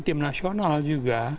tim nasional juga